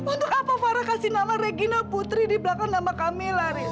untuk apa farah kasih nama regina putri di belakang nama camilla riz